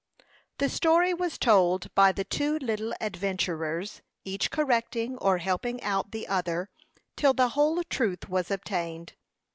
The story was told by the two little adventurers, each correcting or helping out the other, till the whole truth was obtained.